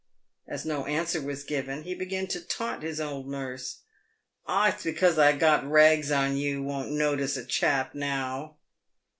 As no answer was given, he began to taunt his old nurse : "Ah! it's because I've got rags on you won't notice a chap now."